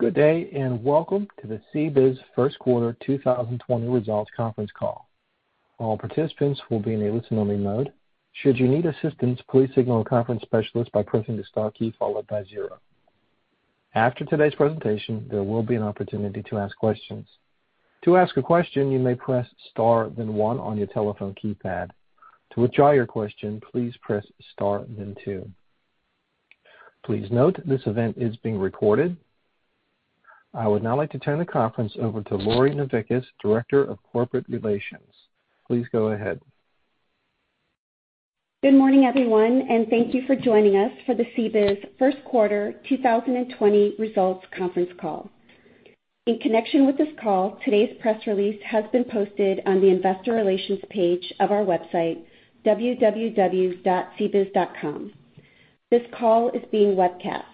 Good day, and welcome to the CBIZ First Quarter 2020 Results Conference Call. I would now like to turn the conference over to Lori Novickis, Director of Corporate Relations. Please go ahead. Good morning, everyone, and thank you for joining us for the CBIZ First Quarter 2020 Results Conference Call. In connection with this call, today's press release has been posted on the investor relations page of our website, www.cbiz.com. This call is being webcast.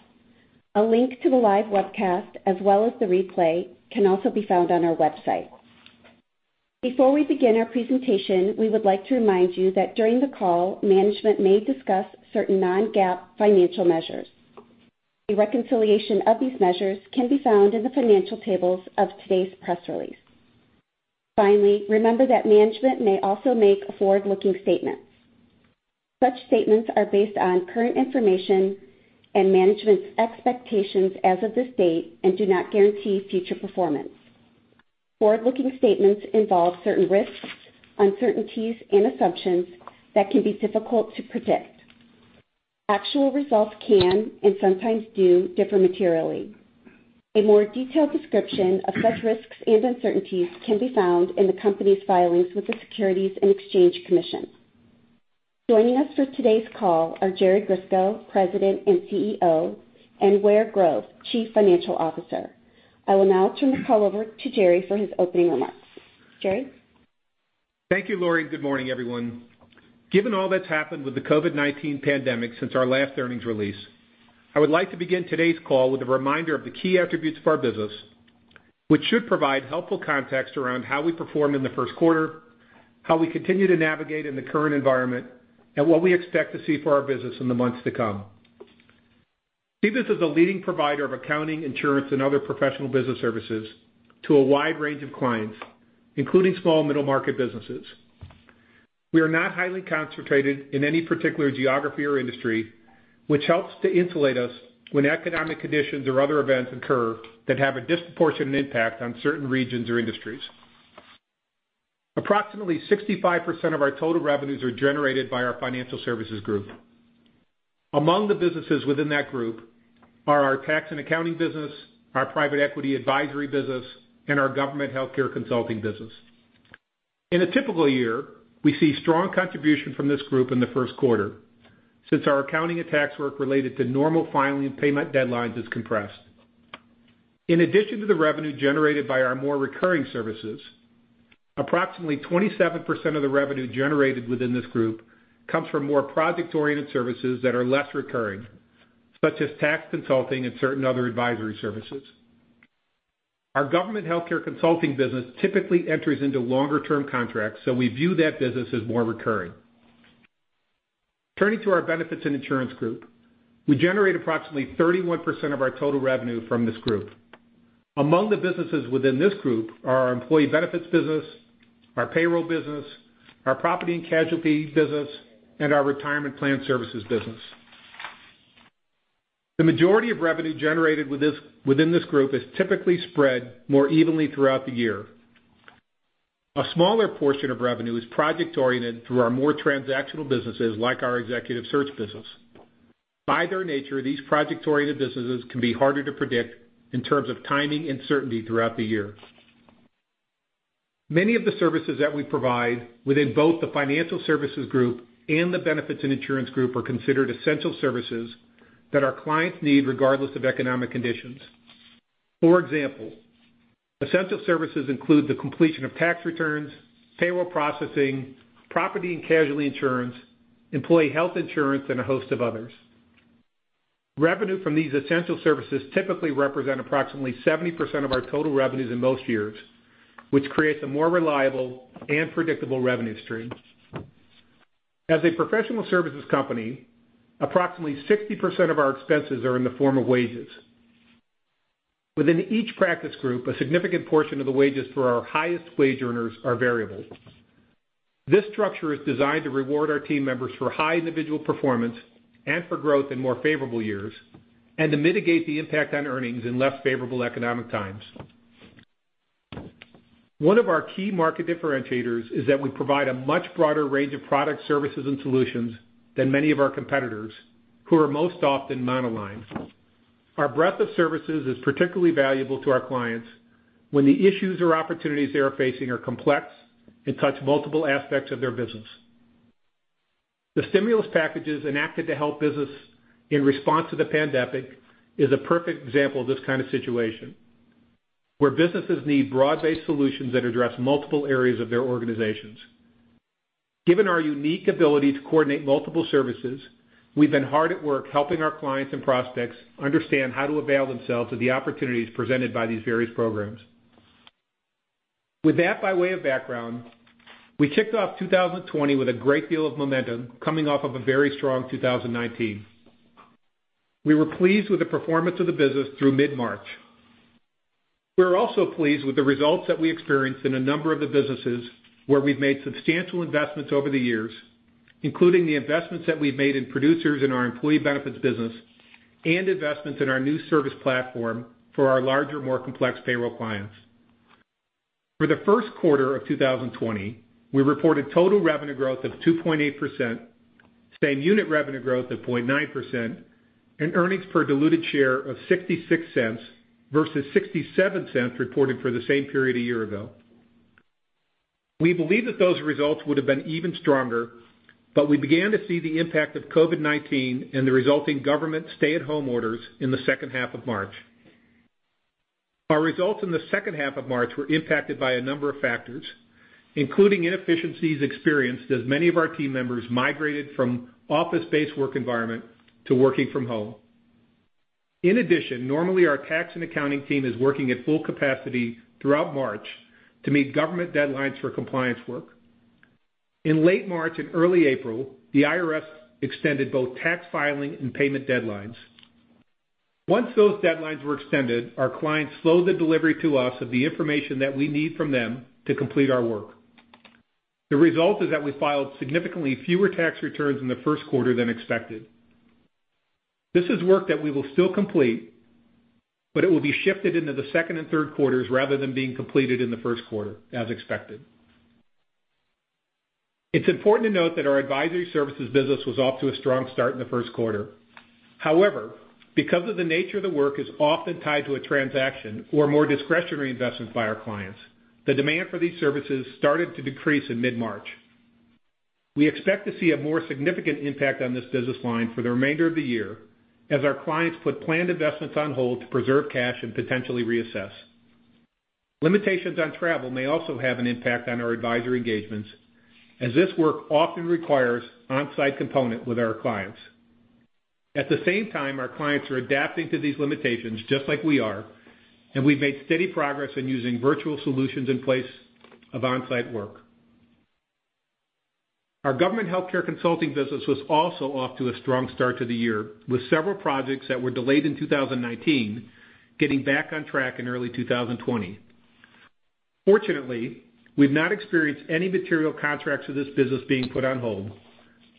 A link to the live webcast as well as the replay can also be found on our website. Before we begin our presentation, we would like to remind you that during the call, management may discuss certain non-GAAP financial measures. A reconciliation of these measures can be found in the financial tables of today's press release. Finally, remember that management may also make forward-looking statements. Such statements are based on current information and management's expectations as of this date and do not guarantee future performance. Forward-looking statements involve certain risks, uncertainties, and assumptions that can be difficult to predict. Actual results can and sometimes do differ materially. A more detailed description of such risks and uncertainties can be found in the company's filings with the Securities and Exchange Commission. Joining us for today's call are Jerry Grisko, President and CEO, and Ware Grove, Chief Financial Officer. I will now turn the call over to Jerry for his opening remarks. Jerry? Thank you, Lori, and good morning, everyone. Given all that's happened with the COVID-19 pandemic since our last earnings release, I would like to begin today's call with a reminder of the key attributes of our business, which should provide helpful context around how we performed in the first quarter, how we continue to navigate in the current environment, and what we expect to see for our business in the months to come. CBIZ is a leading provider of accounting, insurance, and other professional business services to a wide range of clients, including small and middle-market businesses. We are not highly concentrated in any particular geography or industry, which helps to insulate us when economic conditions or other events occur that have a disproportionate impact on certain regions or industries. Approximately 65% of our total revenues are generated by our financial services group. Among the businesses within that group are our tax and accounting business, our private equity advisory business, and our government healthcare consulting business. In a typical year, we see strong contribution from this group in the first quarter since our accounting and tax work related to normal filing and payment deadlines is compressed. In addition to the revenue generated by our more recurring services, approximately 27% of the revenue generated within this group comes from more project-oriented services that are less recurring, such as tax consulting and certain other advisory services. Our government healthcare consulting business typically enters into longer-term contracts, so we view that business as more recurring. Turning to our benefits and insurance group, we generate approximately 31% of our total revenue from this group. Among the businesses within this group are our employee benefits business, our payroll business, our property and casualty business, and our retirement plan services business. The majority of revenue generated within this group is typically spread more evenly throughout the year. A smaller portion of revenue is project-oriented through our more transactional businesses, like our executive search business. By their nature, these project-oriented businesses can be harder to predict in terms of timing and certainty throughout the year. Many of the services that we provide within both the Financial Services Group and the Benefits and Insurance Group are considered essential services that our clients need regardless of economic conditions. For example, essential services include the completion of tax returns, payroll processing, property and casualty insurance, employee health insurance, and a host of others. Revenue from these essential services typically represent approximately 70% of our total revenues in most years, which creates a more reliable and predictable revenue stream. As a professional services company, approximately 60% of our expenses are in the form of wages. Within each practice group, a significant portion of the wages for our highest wage earners are variable. This structure is designed to reward our team members for high individual performance and for growth in more favorable years and to mitigate the impact on earnings in less favorable economic times. One of our key market differentiators is that we provide a much broader range of product services and solutions than many of our competitors who are most often monoline. Our breadth of services is particularly valuable to our clients when the issues or opportunities they are facing are complex and touch multiple aspects of their business. The stimulus packages enacted to help business in response to the pandemic is a perfect example of this kind of situation, where businesses need broad-based solutions that address multiple areas of their organizations. Given our unique ability to coordinate multiple services, we've been hard at work helping our clients and prospects understand how to avail themselves of the opportunities presented by these various programs. With that by way of background, we kicked off 2020 with a great deal of momentum coming off of a very strong 2019. We were pleased with the performance of the business through mid-March. We were also pleased with the results that we experienced in a number of the businesses where we've made substantial investments over the years, including the investments that we've made in producers in our employee benefits business and investments in our new service platform for our larger, more complex payroll clients. For the first quarter of 2020, we reported total revenue growth of 2.8%, same-unit revenue growth of 0.9%, and earnings per diluted share of $0.66 versus $0.67 reported for the same period a year ago. We believe that those results would have been even stronger, but we began to see the impact of COVID-19 and the resulting government stay-at-home orders in the second half of March. Our results in the second half of March were impacted by a number of factors, including inefficiencies experienced as many of our team members migrated from office-based work environment to working from home. In addition, normally, our tax and accounting team is working at full capacity throughout March to meet government deadlines for compliance work. In late March and early April, the IRS extended both tax filing and payment deadlines. Once those deadlines were extended, our clients slowed the delivery to us of the information that we need from them to complete our work. The result is that we filed significantly fewer tax returns in the first quarter than expected. This is work that we will still complete, but it will be shifted into the second and third quarters rather than being completed in the first quarter as expected. It's important to note that our advisory services business was off to a strong start in the first quarter. However, because of the nature of the work is often tied to a transaction or more discretionary investment by our clients, the demand for these services started to decrease in mid-March. We expect to see a more significant impact on this business line for the remainder of the year as our clients put planned investments on hold to preserve cash and potentially reassess. Limitations on travel may also have an impact on our advisory engagements as this work often requires on-site component with our clients. At the same time, our clients are adapting to these limitations just like we are, and we've made steady progress in using virtual solutions in place of on-site work. Our government healthcare consulting business was also off to a strong start to the year, with several projects that were delayed in 2019 getting back on track in early 2020. Fortunately, we've not experienced any material contracts of this business being put on hold,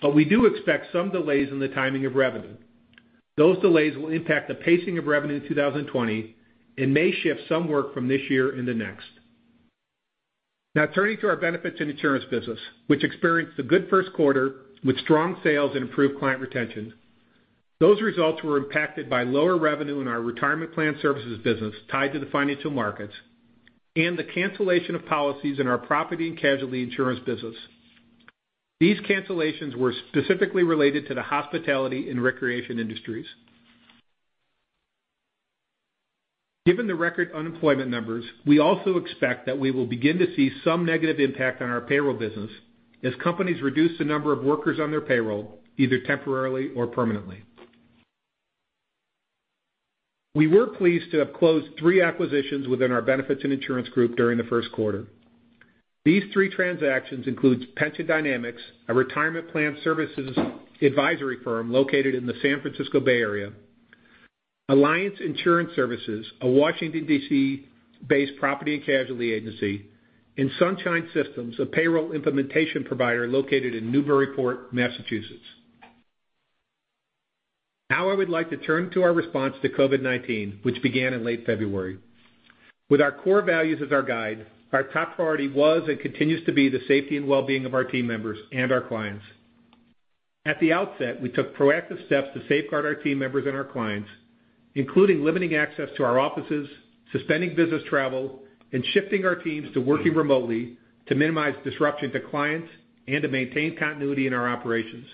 but we do expect some delays in the timing of revenue. Those delays will impact the pacing of revenue in 2020 and may shift some work from this year into next. Turning to our benefits and insurance business, which experienced a good first quarter with strong sales and improved client retention. Those results were impacted by lower revenue in our retirement plan services business tied to the financial markets and the cancellation of policies in our property and casualty insurance business. These cancellations were specifically related to the hospitality and recreation industries. Given the record unemployment numbers, we also expect that we will begin to see some negative impact on our payroll business as companies reduce the number of workers on their payroll, either temporarily or permanently. We were pleased to have closed three acquisitions within our benefits and insurance group during the first quarter. These three transactions includes Pension Dynamics, a retirement plan services advisory firm located in the San Francisco Bay Area, Alliance Insurance Services, a Washington, D.C.-based property and casualty agency, and Sunshine Systems, a payroll implementation provider located in Newburyport, Massachusetts. I would like to turn to our response to COVID-19, which began in late February. With our core values as our guide, our top priority was and continues to be the safety and well-being of our team members and our clients. At the outset, we took proactive steps to safeguard our team members and our clients, including limiting access to our offices, suspending business travel, and shifting our teams to working remotely to minimize disruption to clients and to maintain continuity in our operations.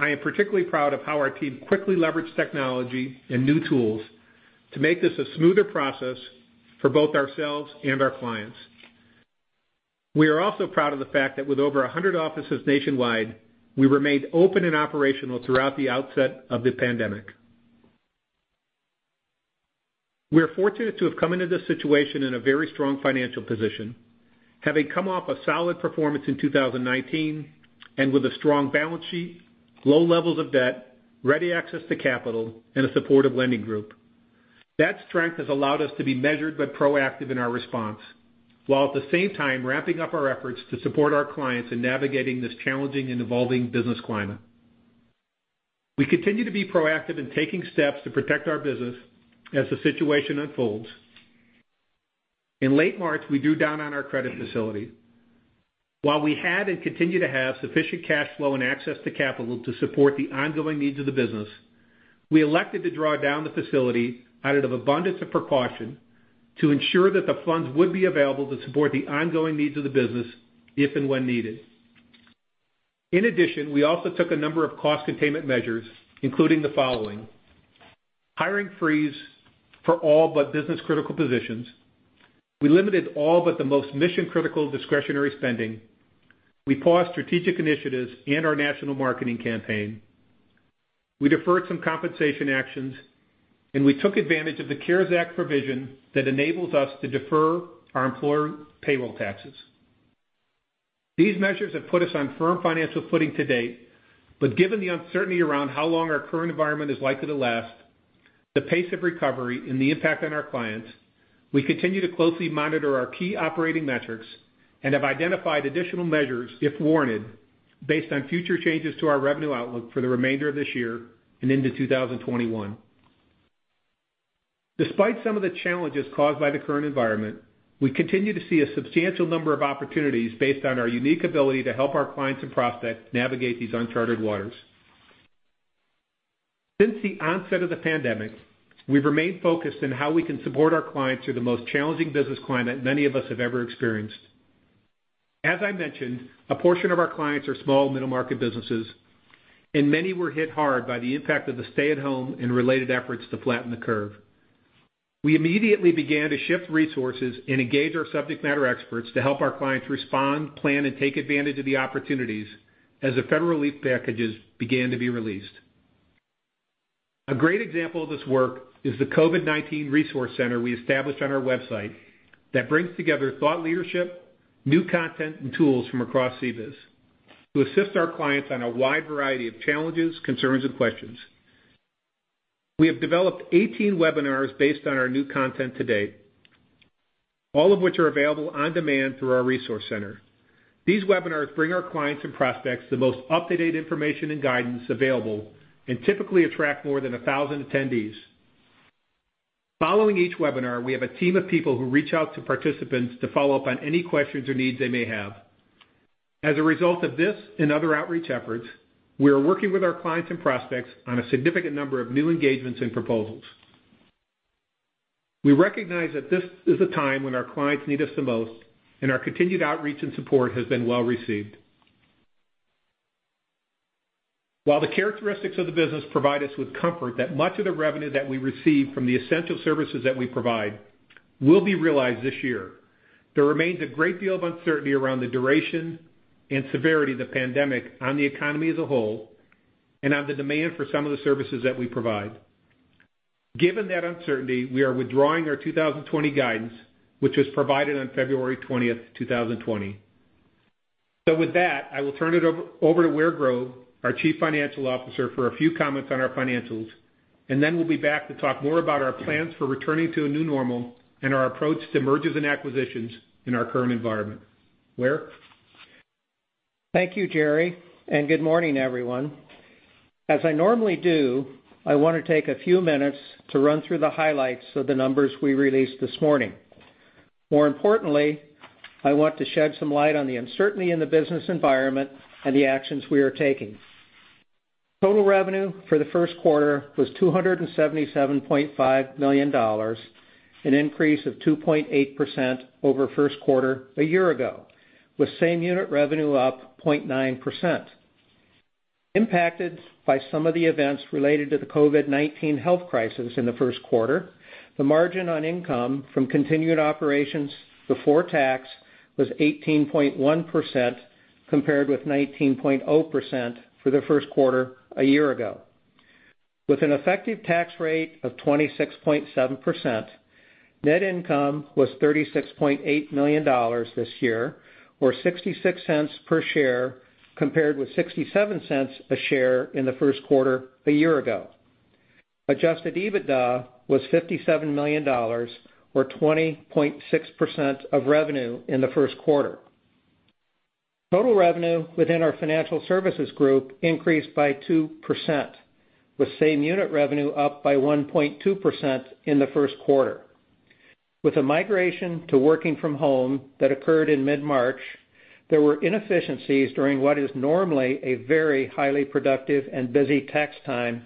I am particularly proud of how our team quickly leveraged technology and new tools to make this a smoother process for both ourselves and our clients. We are also proud of the fact that with over 100 offices nationwide, we remained open and operational throughout the outset of the pandemic. We are fortunate to have come into this situation in a very strong financial position, having come off a solid performance in 2019 and with a strong balance sheet, low levels of debt, ready access to capital, and a supportive lending group. That strength has allowed us to be measured but proactive in our response, while at the same time ramping up our efforts to support our clients in navigating this challenging and evolving business climate. We continue to be proactive in taking steps to protect our business as the situation unfolds. In late March, we drew down on our credit facility. While we had and continue to have sufficient cash flow and access to capital to support the ongoing needs of the business, we elected to draw down the facility out of abundance of precaution to ensure that the funds would be available to support the ongoing needs of the business if and when needed. In addition, we also took a number of cost containment measures, including the following: hiring freeze for all but business-critical positions. We limited all but the most mission-critical discretionary spending. We paused strategic initiatives and our national marketing campaign. We deferred some compensation actions, and we took advantage of the CARES Act provision that enables us to defer our employer payroll taxes. These measures have put us on firm financial footing to date, but given the uncertainty around how long our current environment is likely to last, the pace of recovery and the impact on our clients, we continue to closely monitor our key operating metrics and have identified additional measures, if warranted, based on future changes to our revenue outlook for the remainder of this year and into 2021. Despite some of the challenges caused by the current environment, we continue to see a substantial number of opportunities based on our unique ability to help our clients and prospects navigate these uncharted waters. Since the onset of the pandemic, we've remained focused on how we can support our clients through the most challenging business climate many of us have ever experienced. As I mentioned, a portion of our clients are small middle-market businesses, and many were hit hard by the impact of the stay-at-home and related efforts to flatten the curve. We immediately began to shift resources and engage our subject matter experts to help our clients respond, plan, and take advantage of the opportunities as the federal relief packages began to be released. A great example of this work is the COVID-19 resource center we established on our website that brings together thought leadership, new content, and tools from across CBIZ to assist our clients on a wide variety of challenges, concerns, and questions. We have developed 18 webinars based on our new content to date, all of which are available on demand through our resource center. These webinars bring our clients and prospects the most up-to-date information and guidance available and typically attract more than 1,000 attendees. Following each webinar, we have a team of people who reach out to participants to follow up on any questions or needs they may have. As a result of this and other outreach efforts, we are working with our clients and prospects on a significant number of new engagements and proposals. We recognize that this is a time when our clients need us the most, and our continued outreach and support has been well-received. While the characteristics of the business provide us with comfort that much of the revenue that we receive from the essential services that we provide will be realized this year, there remains a great deal of uncertainty around the duration and severity of the pandemic on the economy as a whole and on the demand for some of the services that we provide. Given that uncertainty, we are withdrawing our 2020 guidance, which was provided on February 20th, 2020. With that, I will turn it over to Ware Grove, our Chief Financial Officer, for a few comments on our financials, and then we'll be back to talk more about our plans for returning to a new normal and our approach to mergers and acquisitions in our current environment. Ware? Thank you, Jerry, and good morning, everyone. As I normally do, I want to take a few minutes to run through the highlights of the numbers we released this morning. More importantly, I want to shed some light on the uncertainty in the business environment and the actions we are taking. Total revenue for the first quarter was $277.5 million, an increase of 2.8% over first quarter a year ago, with same unit revenue up 0.9%. Impacted by some of the events related to the COVID-19 health crisis in the first quarter, the margin on income from continued operations before tax was 18.1%, compared with 19.0% for the first quarter a year ago. With an effective tax rate of 26.7%, net income was $36.8 million this year, or $0.66 per share, compared with $0.67 a share in the first quarter a year ago. Adjusted EBITDA was $57 million or 20.6% of revenue in the first quarter. Total revenue within our financial services group increased by 2%, with same unit revenue up by 1.2% in the first quarter. With the migration to working from home that occurred in mid-March, there were inefficiencies during what is normally a very highly productive and busy tax time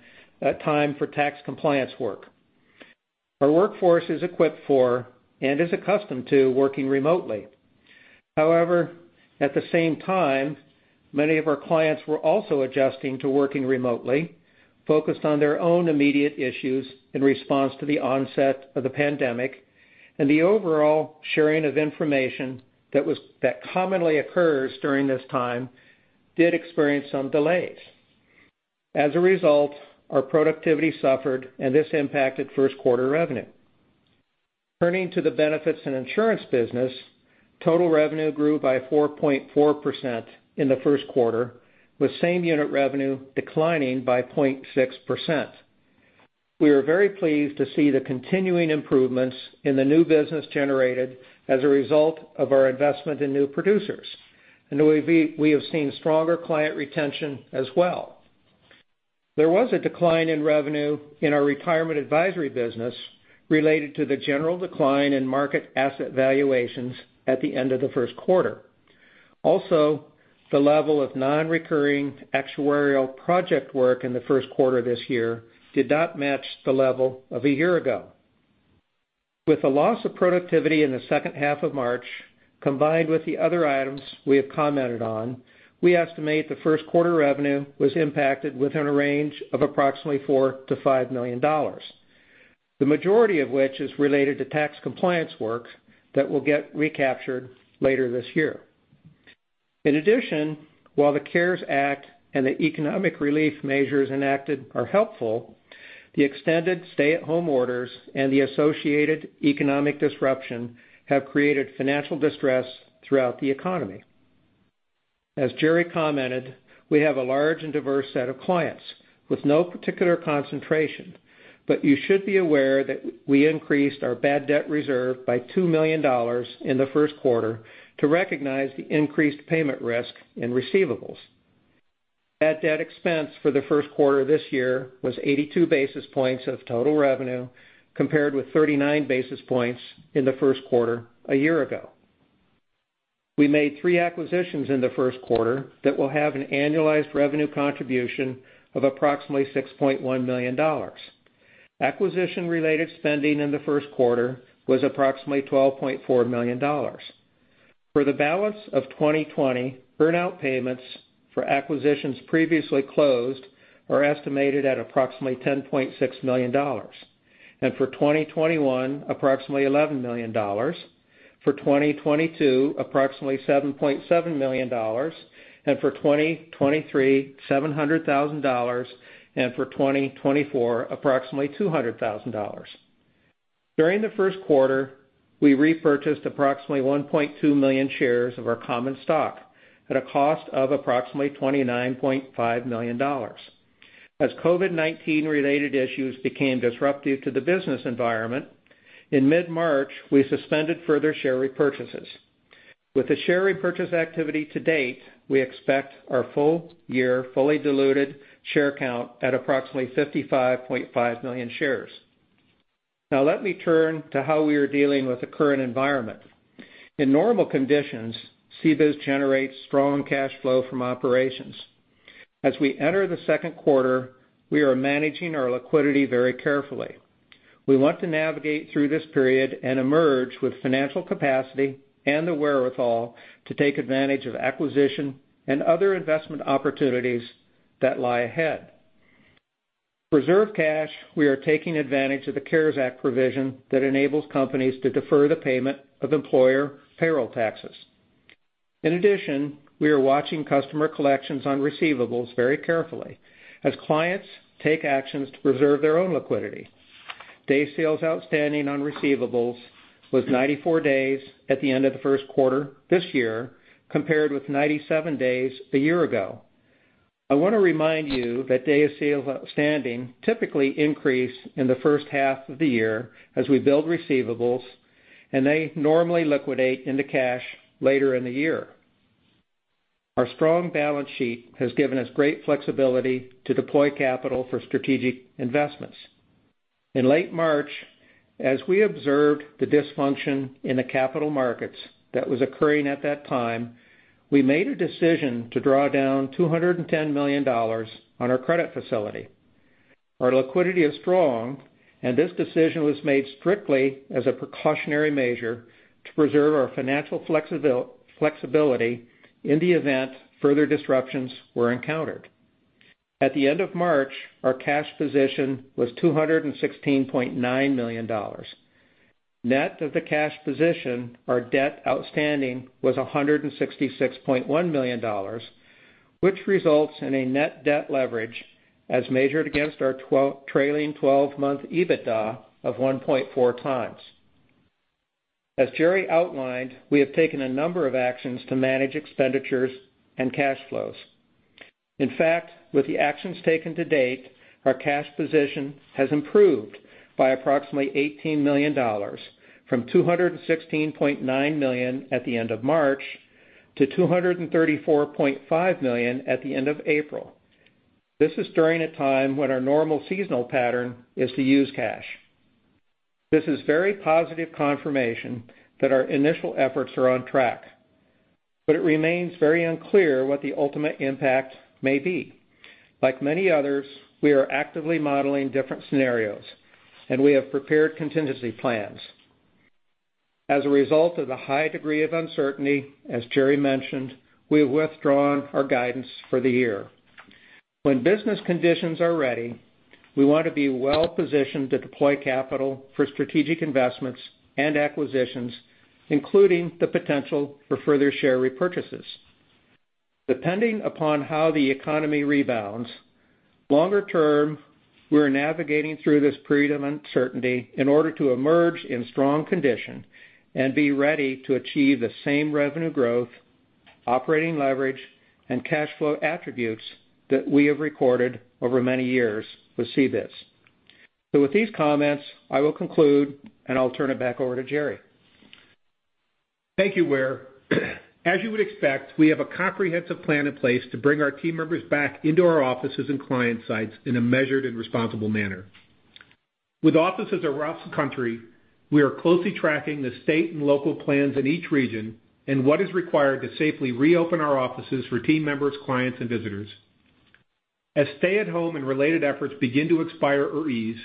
for tax compliance work. Our workforce is equipped for and is accustomed to working remotely. At the same time, many of our clients were also adjusting to working remotely, focused on their own immediate issues in response to the onset of the pandemic, and the overall sharing of information that commonly occurs during this time did experience some delays. Our productivity suffered, and this impacted first quarter revenue. Turning to the benefits and insurance business, total revenue grew by 4.4% in the first quarter, with same unit revenue declining by 0.6%. We are very pleased to see the continuing improvements in the new business generated as a result of our investment in new producers, and we have seen stronger client retention as well. There was a decline in revenue in our retirement advisory business related to the general decline in market asset valuations at the end of the first quarter. The level of non-recurring actuarial project work in the first quarter this year did not match the level of a year ago. With the loss of productivity in the second half of March, combined with the other items we have commented on, we estimate the first quarter revenue was impacted within a range of approximately $4 million-$5 million, the majority of which is related to tax compliance work that will get recaptured later this year. In addition, while the CARES Act and the economic relief measures enacted are helpful, the extended stay-at-home orders and the associated economic disruption have created financial distress throughout the economy. As Jerry commented, we have a large and diverse set of clients with no particular concentration, but you should be aware that we increased our bad debt reserve by $2 million in the first quarter to recognize the increased payment risk in receivables. Bad debt expense for the first quarter this year was 82 basis points of total revenue, compared with 39 basis points in the first quarter a year ago. We made three acquisitions in the first quarter that will have an annualized revenue contribution of approximately $6.1 million. Acquisition-related spending in the first quarter was approximately $12.4 million. For the balance of 2020, earnout payments for acquisitions previously closed are estimated at approximately $10.6 million. For 2021, approximately $11 million. For 2022, approximately $7.7 million. For 2023, $700,000. For 2024, approximately $200,000. During the first quarter, we repurchased approximately 1.2 million shares of our common stock at a cost of approximately $29.5 million. As COVID-19-related issues became disruptive to the business environment, in mid-March, we suspended further share repurchases. With the share repurchase activity to date, we expect our full year fully diluted share count at approximately 55.5 million shares. Let me turn to how we are dealing with the current environment. In normal conditions, CBIZ generates strong cash flow from operations. As we enter the second quarter, we are managing our liquidity very carefully. We want to navigate through this period and emerge with financial capacity and the wherewithal to take advantage of acquisition and other investment opportunities that lie ahead. To preserve cash, we are taking advantage of the CARES Act provision that enables companies to defer the payment of employer payroll taxes. In addition, we are watching customer collections on receivables very carefully as clients take actions to preserve their own liquidity. Days sales outstanding on receivables was 94 days at the end of the first quarter this year, compared with 97 days a year ago. I wanna remind you that days sales outstanding typically increase in the first half of the year as we build receivables, and they normally liquidate into cash later in the year. Our strong balance sheet has given us great flexibility to deploy capital for strategic investments. In late March, as we observed the dysfunction in the capital markets that was occurring at that time, we made a decision to draw down $210 million on our credit facility. Our liquidity is strong. This decision was made strictly as a precautionary measure to preserve our financial flexibility in the event further disruptions were encountered. At the end of March, our cash position was $216.9 million. Net of the cash position, our debt outstanding was $166.1 million, which results in a net debt leverage as measured against our trailing 12-month EBITDA of 1.4x. As Jerry outlined, we have taken a number of actions to manage expenditures and cash flows. In fact, with the actions taken to date, our cash position has improved by approximately $18 million from $216.9 million at the end of March to $234.5 million at the end of April. This is during a time when our normal seasonal pattern is to use cash. This is very positive confirmation that our initial efforts are on track, but it remains very unclear what the ultimate impact may be. Like many others, we are actively modeling different scenarios, and we have prepared contingency plans. As a result of the high degree of uncertainty, as Jerry mentioned, we have withdrawn our guidance for the year. When business conditions are ready, we want to be well-positioned to deploy capital for strategic investments and acquisitions, including the potential for further share repurchases. Depending upon how the economy rebounds, longer term, we're navigating through this period of uncertainty in order to emerge in strong condition and be ready to achieve the same revenue growth, operating leverage, and cash flow attributes that we have recorded over many years with CBIZ. With these comments, I will conclude, and I'll turn it back over to Jerry. Thank you, Ware. As you would expect, we have a comprehensive plan in place to bring our team members back into our offices and client sites in a measured and responsible manner. With offices across the country, we are closely tracking the state and local plans in each region and what is required to safely reopen our offices for team members, clients, and visitors. As stay-at-home and related efforts begin to expire or ease,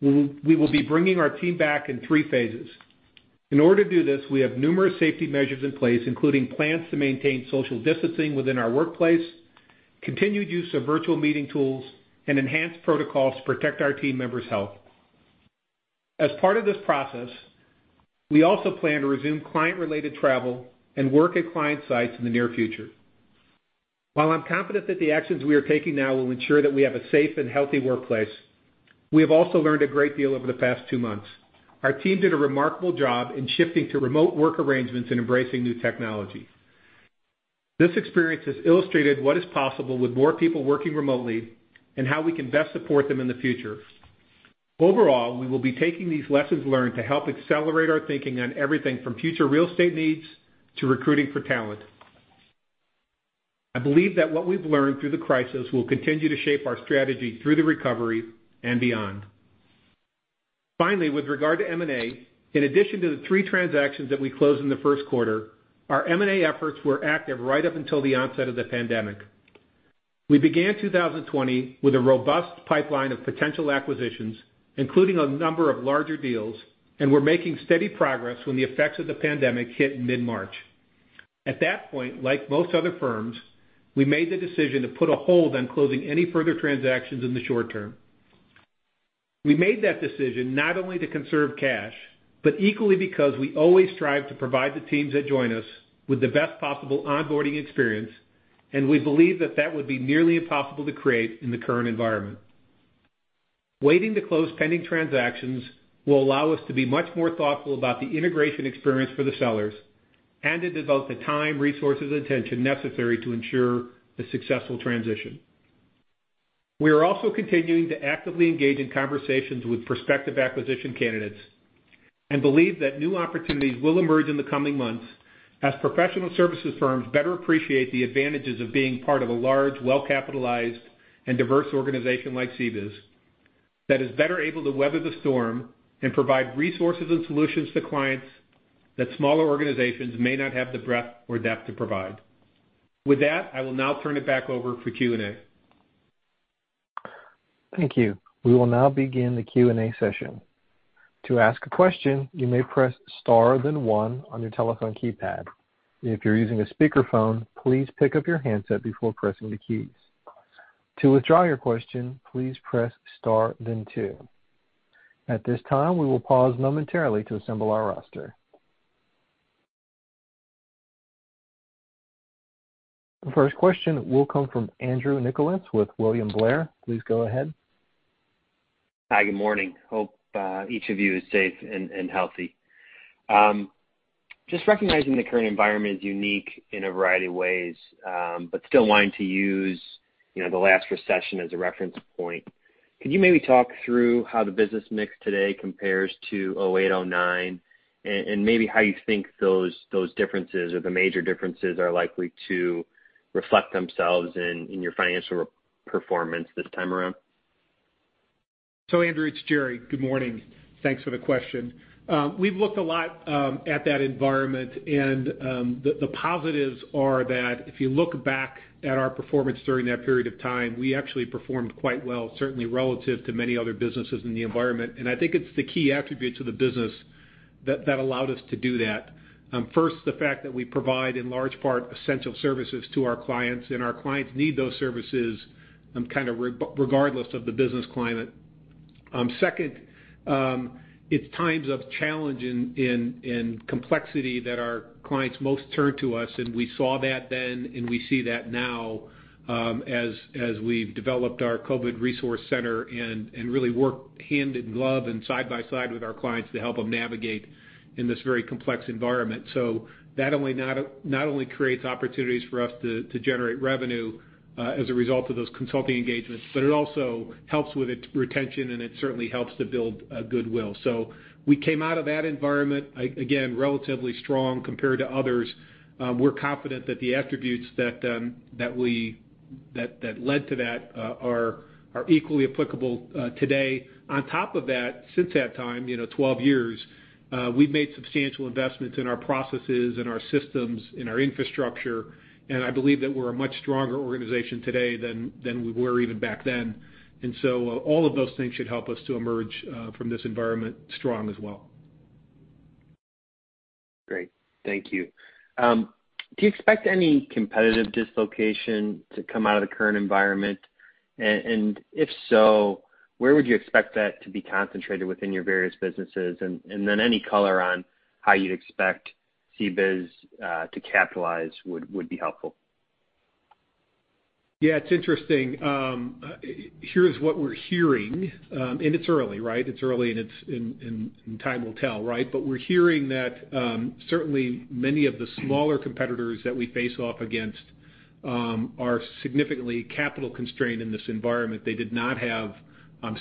we will be bringing our team back in three phases. In order to do this, we have numerous safety measures in place, including plans to maintain social distancing within our workplace, continued use of virtual meeting tools, and enhanced protocols to protect our team members' health. As part of this process, we also plan to resume client-related travel and work at client sites in the near future. While I'm confident that the actions we are taking now will ensure that we have a safe and healthy workplace, we have also learned a great deal over the past two months. Our team did a remarkable job in shifting to remote work arrangements and embracing new technology. This experience has illustrated what is possible with more people working remotely and how we can best support them in the future. Overall, we will be taking these lessons learned to help accelerate our thinking on everything from future real estate needs to recruiting for talent. I believe that what we've learned through the crisis will continue to shape our strategy through the recovery and beyond. Finally, with regard to M&A, in addition to the three transactions that we closed in the first quarter, our M&A efforts were active right up until the onset of the pandemic. We began 2020 with a robust pipeline of potential acquisitions, including a number of larger deals, and were making steady progress when the effects of the pandemic hit in mid-March. At that point, like most other firms, we made the decision to put a hold on closing any further transactions in the short term. We made that decision not only to conserve cash, but equally because we always strive to provide the teams that join us with the best possible onboarding experience, and we believe that that would be nearly impossible to create in the current environment. Waiting to close pending transactions will allow us to be much more thoughtful about the integration experience for the sellers and to devote the time, resources, and attention necessary to ensure a successful transition. We are also continuing to actively engage in conversations with prospective acquisition candidates and believe that new opportunities will emerge in the coming months as professional services firms better appreciate the advantages of being part of a large, well-capitalized, and diverse organization like CBIZ that is better able to weather the storm and provide resources and solutions to clients that smaller organizations may not have the breadth or depth to provide. With that, I will now turn it back over for Q&A. Thank you. We will now begin the Q&A session. To ask a question, you may press star then one on your telephone keypad. If you're using a speakerphone, please pick up your handset before pressing the keys. To withdraw your question, please press star then two. At this time, we will pause momentarily to assemble our roster. The first question will come from Andrew Nicholas with William Blair. Please go ahead. Hi, good morning. Hope each of you is safe and healthy. Just recognizing the current environment is unique in a variety of ways, but still wanting to use, you know, the last recession as a reference point, could you maybe talk through how the business mix today compares to 2008, 2009, and maybe how you think those differences or the major differences are likely to reflect themselves in your financial performance this time around? Andrew, it's Jerry. Good morning. Thanks for the question. We've looked a lot at that environment and the positives are that if you look back at our performance during that period of time, we actually performed quite well, certainly relative to many other businesses in the environment. I think it's the key attribute to the business that allowed us to do that. First, the fact that we provide, in large part, essential services to our clients, and our clients need those services, kind of regardless of the business climate. Second, it's times of challenge and complexity that our clients most turn to us, and we saw that then, and we see that now, as we've developed our COVID resource center and really work hand in glove and side by side with our clients to help them navigate in this very complex environment. That only not only creates opportunities for us to generate revenue as a result of those consulting engagements, but it also helps with its retention, and it certainly helps to build goodwill. We came out of that environment, again, relatively strong compared to others. We're confident that the attributes that led to that are equally applicable today. On top of that, since that time, you know, 12 years, we've made substantial investments in our processes and our systems, in our infrastructure, and I believe that we're a much stronger organization today than we were even back then. All of those things should help us to emerge from this environment strong as well. Great. Thank you. Do you expect any competitive dislocation to come out of the current environment? If so, where would you expect that to be concentrated within your various businesses? Any color on how you'd expect CBIZ to capitalize would be helpful. Yeah, it's interesting. Here's what we're hearing. It's early, right? It's early and time will tell, right? We're hearing that certainly many of the smaller competitors that we face off against are significantly capital-constrained in this environment. They did not have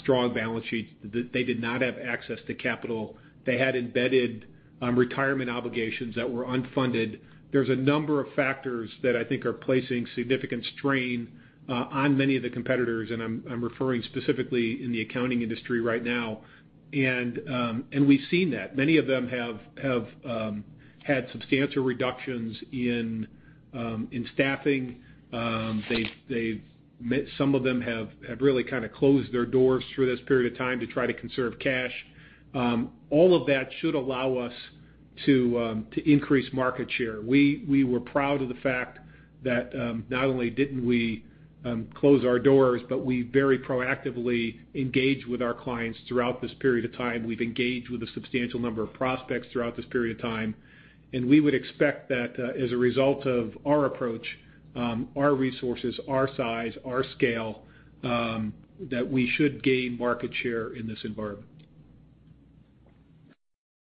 strong balance sheets. They did not have access to capital. They had embedded retirement obligations that were unfunded. There's a number of factors that I think are placing significant strain on many of the competitors, and I'm referring specifically in the accounting industry right now. We've seen that. Many of them have had substantial reductions in staffing. Some of them have really kind of closed their doors through this period of time to try to conserve cash. All of that should allow us to increase market share. We were proud of the fact that not only didn't we close our doors, but we very proactively engaged with our clients throughout this period of time. We've engaged with a substantial number of prospects throughout this period of time. We would expect that as a result of our approach, our resources, our size, our scale, that we should gain market share in this environment.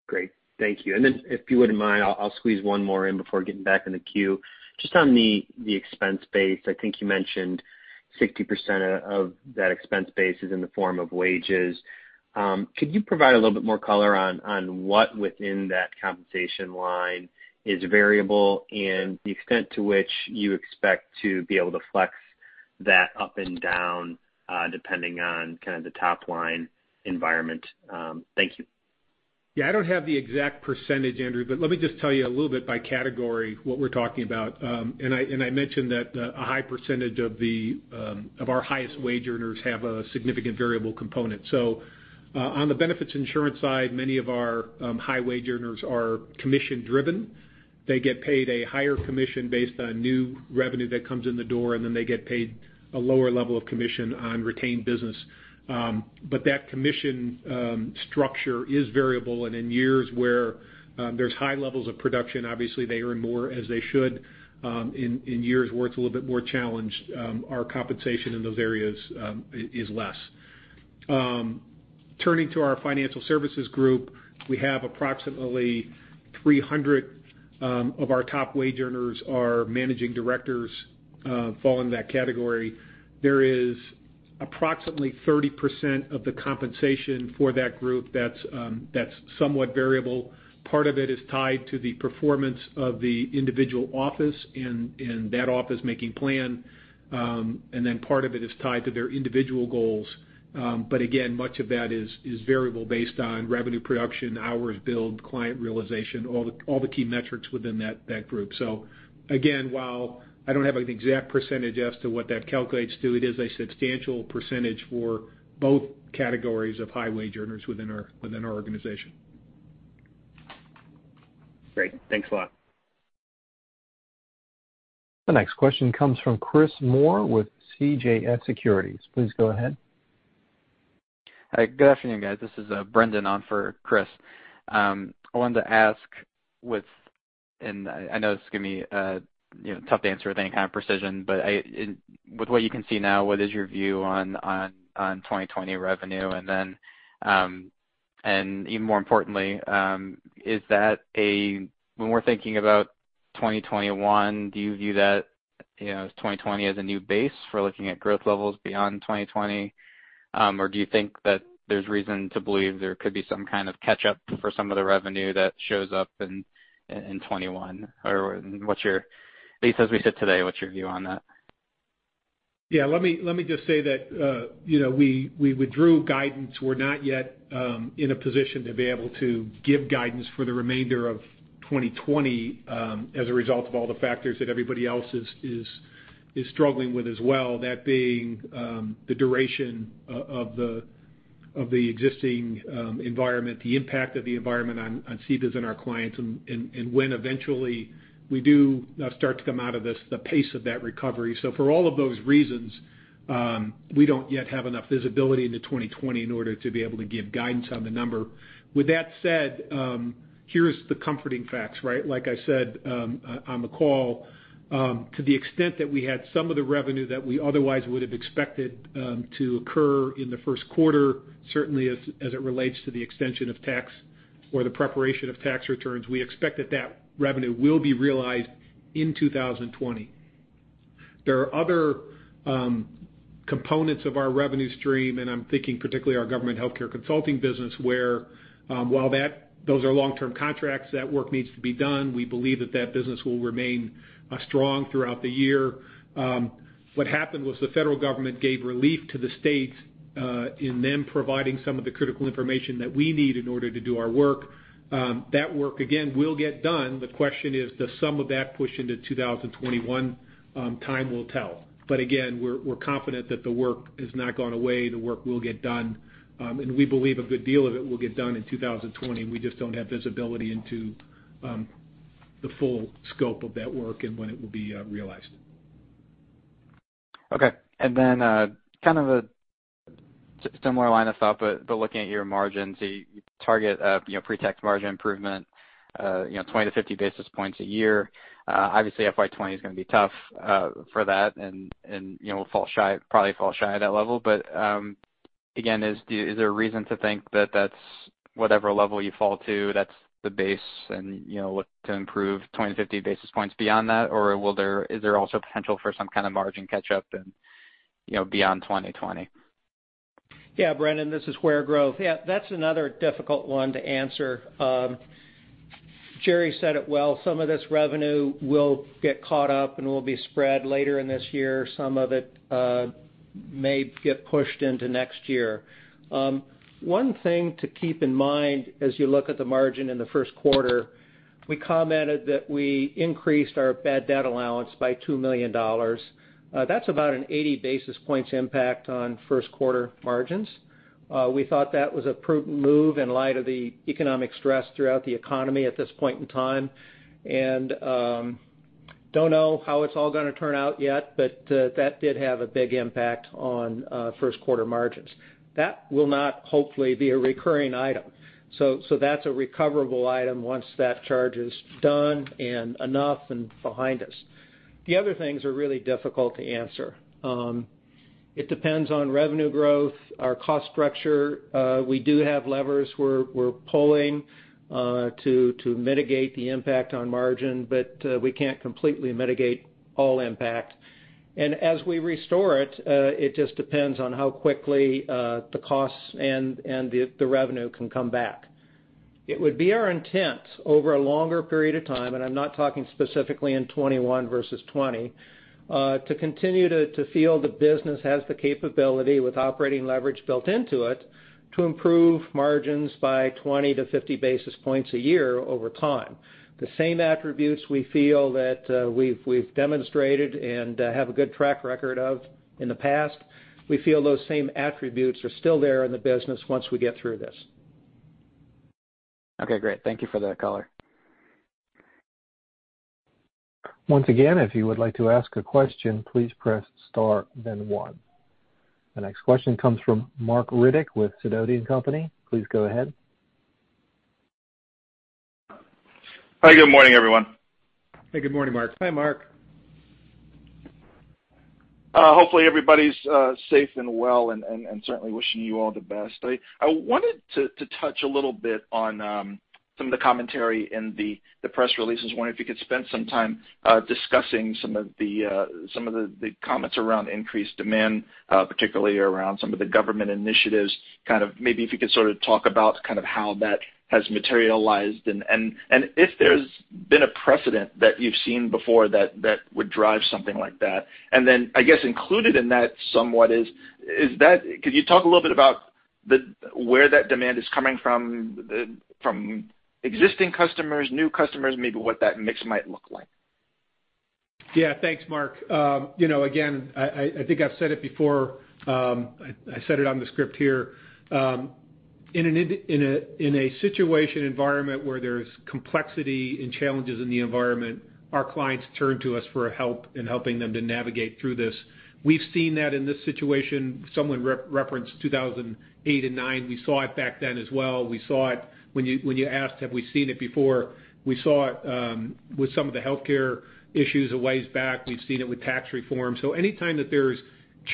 Great. Thank you. If you wouldn't mind, I'll squeeze one more in before getting back in the queue. Just on the expense base, I think you mentioned 60% of that expense base is in the form of wages. Could you provide a little bit more color on what within that compensation line is variable and the extent to which you expect to be able to flex that up and down, depending on kinda the top line environment? Thank you. Yeah, I don't have the exact percentage, Andrew, but let me just tell you a little bit by category what we're talking about. And I mentioned that a high percentage of the of our highest wage earners have a significant variable component. On the benefits insurance side, many of our high wage earners are commission-driven. They get paid a higher commission based on new revenue that comes in the door, and then they get paid a lower level of commission on retained business. That commission structure is variable, and in years where there's high levels of production, obviously they earn more as they should. In years where it's a little bit more challenged, our compensation in those areas is less. Turning to our financial services group, we have approximately 300 of our top wage earners are managing directors, fall in that category. There is approximately 30% of the compensation for that group that's somewhat variable. Part of it is tied to the performance of the individual office and that office making plan. Then part of it is tied to their individual goals. Again, much of that is variable based on revenue production, hours billed, client realization, all the key metrics within that group. Again, while I don't have an exact percentage as to what that calculates to, it is a substantial percentage for both categories of high wage earners within our organization. Great. Thanks a lot. The next question comes from Chris Moore with CJS Securities. Please go ahead. Hi, good afternoon, guys. This is Brendan on for Chris. I wanted to ask. I know this is gonna be, you know, tough to answer with any kind of precision, but with what you can see now, what is your view on 2020 revenue? Even more importantly, is that when we're thinking about 2021, do you view that, you know, as 2020 as a new base for looking at growth levels beyond 2020? Do you think that there's reason to believe there could be some kind of catch-up for some of the revenue that shows up in 2021? At least as we sit today, what's your view on that? Yeah, let me just say that, you know, we withdrew guidance. We're not yet in a position to be able to give guidance for the remainder of 2020, as a result of all the factors that everybody else is struggling with as well. That being, the duration of the existing environment, the impact of the environment on CBIZ and our clients, and when eventually we do start to come out of this, the pace of that recovery. For all of those reasons, we don't yet have enough visibility into 2020 in order to be able to give guidance on the number. With that said, here's the comforting facts, right? Like I said, on the call, to the extent that we had some of the revenue that we otherwise would have expected to occur in the first quarter, certainly as it relates to the extension of tax or the preparation of tax returns, we expect that that revenue will be realized in 2020. There are other components of our revenue stream, and I'm thinking particularly our government healthcare consulting business, where, while those are long-term contracts, that work needs to be done. We believe that that business will remain strong throughout the year. What happened was the federal government gave relief to the states in them providing some of the critical information that we need in order to do our work. That work, again, will get done. The question is, does some of that push into 2021? Time will tell. Again, we're confident that the work has not gone away. The work will get done. We believe a good deal of it will get done in 2020. We just don't have visibility into the full scope of that work and when it will be realized. Okay. Kind of a similar line of thought, but looking at your margins, you target, you know, pre-tax margin improvement, you know, 20 to 50 basis points a year. Obviously FY 2020 is going to be tough for that and, you know, probably fall shy of that level. Again, is there a reason to think that that's whatever level you fall to, that's the base and, you know, look to improve 20 to 50 basis points beyond that? Is there also potential for some kind of margin catch-up and, you know, beyond 2020? Brendan, this is Ware Grove. That's another difficult one to answer. Jerry said it well. Some of this revenue will get caught up and will be spread later in this year. Some of it may get pushed into next year. One thing to keep in mind as you look at the margin in the first quarter, we commented that we increased our bad debt allowance by $2 million. That's about an 80 basis points impact on first quarter margins. We thought that was a prudent move in light of the economic stress throughout the economy at this point in time. Don't know how it's all gonna turn out yet, that did have a big impact on first quarter margins. That will not, hopefully, be a recurring item. That's a recoverable item once that charge is done and enough and behind us. The other things are really difficult to answer. It depends on revenue growth, our cost structure. We do have levers we're pulling to mitigate the impact on margin, we can't completely mitigate all impact. As we restore it just depends on how quickly the costs and the revenue can come back. It would be our intent over a longer period of time, and I'm not talking specifically in 2021 versus 2020, to continue to feel the business has the capability with operating leverage built into it to improve margins by 20-50 basis points a year over time. The same attributes we feel that we've demonstrated and have a good track record of in the past, we feel those same attributes are still there in the business once we get through this. Okay, great. Thank you for that color. Once again, if you would like to ask a question, please press star then one. The next question comes from Marc Riddick with Sidoti & Company. Please go ahead. Hi, good morning, everyone. Hey, good morning, Marc. Hi, Marc. Hopefully everybody's safe and well, and certainly wishing you all the best. I wanted to touch a little bit on some of the commentary in the press release. I was wondering if you could spend some time discussing some of the comments around increased demand, particularly around some of the government initiatives. Kind of maybe if you could sort of talk about kind of how that has materialized and if there's been a precedent that you've seen before that would drive something like that. Then I guess included in that somewhat, could you talk a little bit about where that demand is coming from existing customers, new customers, maybe what that mix might look like? Yeah. Thanks, Marc. You know, again, I think I've said it before, I said it on the script here. In a situation environment where there's complexity and challenges in the environment, our clients turn to us for help in helping them to navigate through this. We've seen that in this situation. Someone referenced 2008 and 2009. We saw it back then as well. We saw it when you asked, have we seen it before. We saw it with some of the healthcare issues a ways back. We've seen it with tax reform. Anytime that there's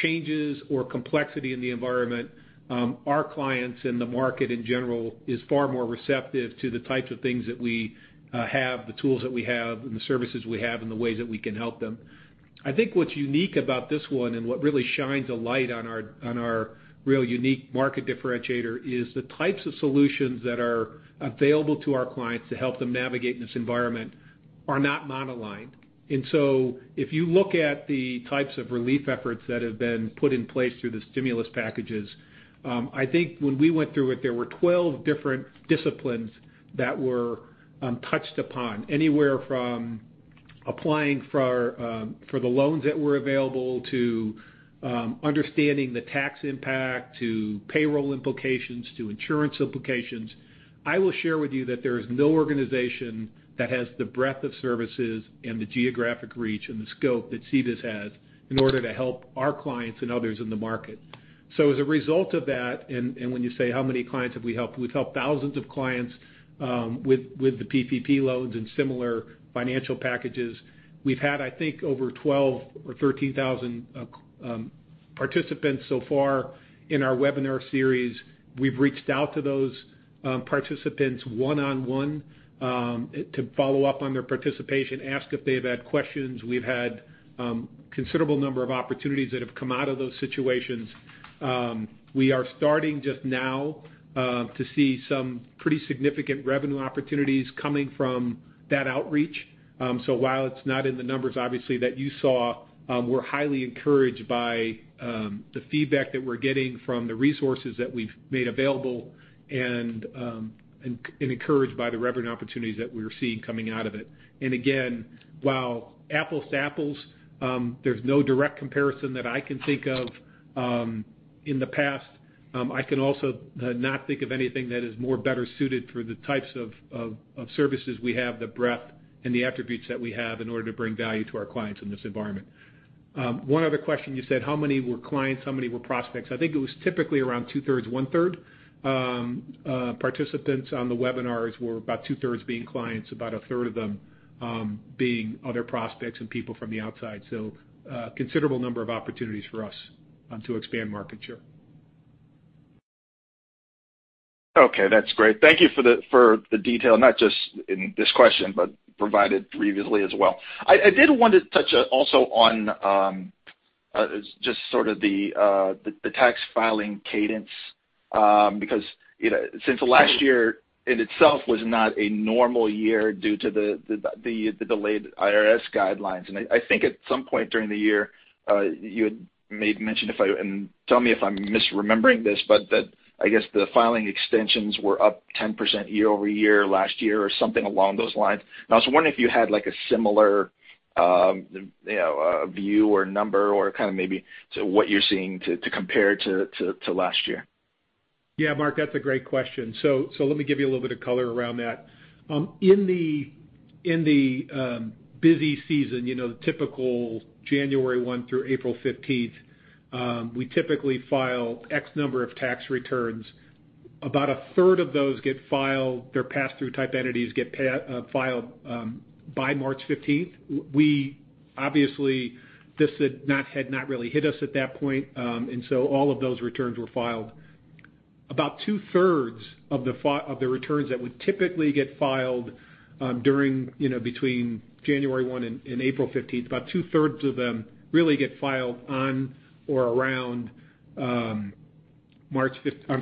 changes or complexity in the environment, our clients and the market in general is far more receptive to the types of things that we have, the tools that we have, and the services we have, and the ways that we can help them. I think what's unique about this one and what really shines a light on our, on our real unique market differentiator is the types of solutions that are available to our clients to help them navigate in this environment are not monoline. If you look at the types of relief efforts that have been put in place through the stimulus packages, I think when we went through it, there were 12 different disciplines that were touched upon, anywhere from applying for the loans that were available to understanding the tax impact, to payroll implications, to insurance implications. I will share with you that there is no organization that has the breadth of services and the geographic reach and the scope that CBIZ has in order to help our clients and others in the market. As a result of that, and when you say how many clients have we helped, we've helped thousands of clients with the PPP loans and similar financial packages. We've had, I think, over 12,000 or 13,000 participants so far in our webinar series. We've reached out to those participants one-on-one to follow up on their participation, ask if they've had questions. We've had considerable number of opportunities that have come out of those situations. We are starting just now to see some pretty significant revenue opportunities coming from that outreach. While it's not in the numbers obviously that you saw, we're highly encouraged by the feedback that we're getting from the resources that we've made available and encouraged by the revenue opportunities that we're seeing coming out of it. Again, while apples to apples, there's no direct comparison that I can think of in the past, I can also not think of anything that is more better suited for the types of services we have, the breadth and the attributes that we have in order to bring value to our clients in this environment. One other question you said, how many were clients, how many were prospects? I think it was typically around two-thirds, one-third. Participants on the webinars were about two-thirds being clients, about a third of them being other prospects and people from the outside. Considerable number of opportunities for us to expand market share. Okay, that's great. Thank you for the detail, not just in this question but provided previously as well. I did want to touch also on just sort of the tax filing cadence, because, you know, since last year in itself was not a normal year due to the delayed IRS guidelines. I think at some point during the year, you had may mentioned and tell me if I'm misremembering this, but that I guess the filing extensions were up 10% year-over-year last year or something along those lines. I was wondering if you had like a similar, you know, view or number or kind of maybe to what you're seeing to compare to last year. Marc, that's a great question. Let me give you a little bit of color around that. In the, in the busy season, you know, the typical January 1 through April 15th, we typically file X number of tax returns. About a 1/3 of those get filed, their pass-through type entities get filed by March 15th. We obviously This had not really hit us at that point, all of those returns were filed. About 2/3 of the returns that would typically get filed during, you know, between January 1 and April 15th, about 2/3 of them really get filed on or around, I'm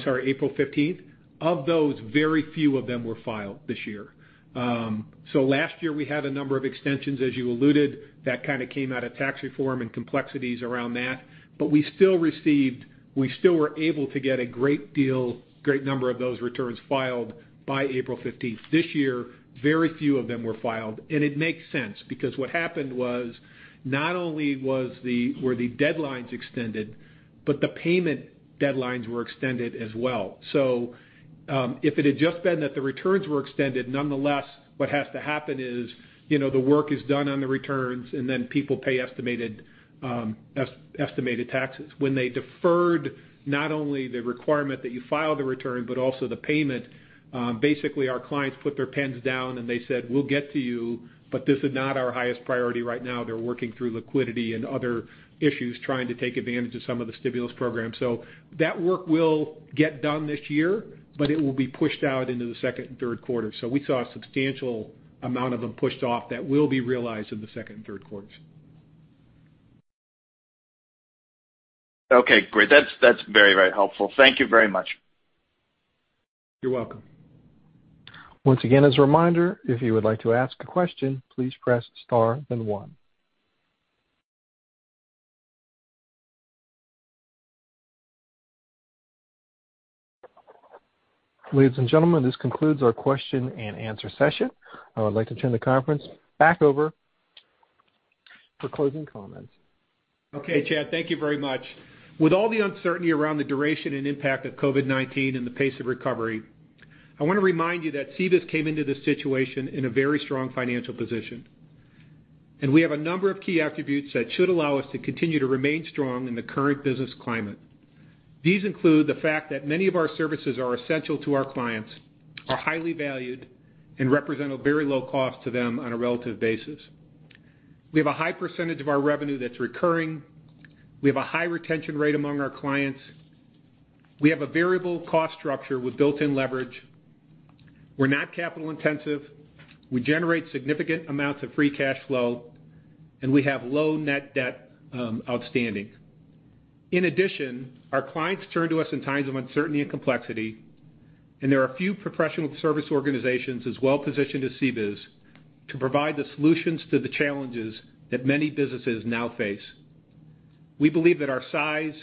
sorry, April 15th. Of those, very few of them were filed this year. Last year we had a number of extensions, as you alluded, that kinda came out of tax reform and complexities around that. We still were able to get a great deal, great number of those returns filed by April 15th. This year, very few of them were filed. It makes sense because what happened was not only were the deadlines extended, but the payment deadlines were extended as well. If it had just been that the returns were extended, nonetheless, what has to happen is, you know, the work is done on the returns, and then people pay estimated taxes. When they deferred not only the requirement that you file the return but also the payment, basically our clients put their pens down and they said, "We'll get to you, but this is not our highest priority right now." They're working through liquidity and other issues, trying to take advantage of some of the stimulus programs. That work will get done this year, but it will be pushed out into the second and third quarter. We saw a substantial amount of them pushed off that will be realized in the second and third quarters. Okay, great. That's very, very helpful. Thank you very much. You're welcome. Once again, as a reminder, if you would like to ask a question, please press star then one. Ladies and gentlemen, this concludes our question and answer session. I would like to turn the conference back over for closing comments. Okay, Chad, thank you very much. With all the uncertainty around the duration and impact of COVID-19 and the pace of recovery, I wanna remind you that CBIZ came into this situation in a very strong financial position. We have a number of key attributes that should allow us to continue to remain strong in the current business climate. These include the fact that many of our services are essential to our clients, are highly valued, and represent a very low cost to them on a relative basis. We have a high percentage of our revenue that's recurring. We have a high retention rate among our clients. We have a variable cost structure with built-in leverage. We're not capital-intensive. We generate significant amounts of free cash flow, and we have low net debt outstanding. In addition, our clients turn to us in times of uncertainty and complexity, and there are a few professional service organizations as well-positioned as CBIZ to provide the solutions to the challenges that many businesses now face. We believe that our size,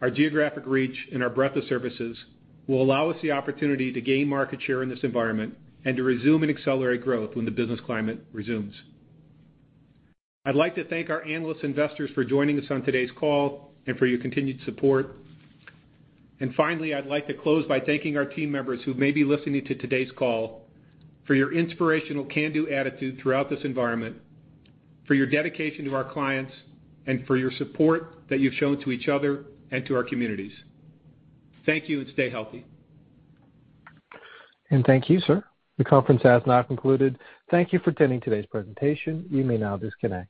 our geographic reach, and our breadth of services will allow us the opportunity to gain market share in this environment and to resume and accelerate growth when the business climate resumes. I'd like to thank our analysts, investors for joining us on today's call and for your continued support. Finally, I'd like to close by thanking our team members who may be listening to today's call for your inspirational can-do attitude throughout this environment, for your dedication to our clients, and for your support that you've shown to each other and to our communities. Thank you, and stay healthy. Thank you, sir. The conference has now concluded. Thank you for attending today's presentation. You may now disconnect.